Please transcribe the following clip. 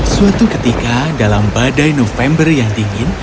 suatu ketika dalam badai november yang dingin